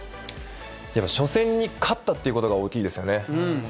やっぱり初戦に勝ったっていうことが大きいですよね。